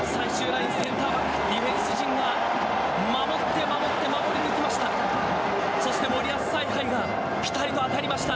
最終ラインディフェンス陣が守って守って守り抜きました。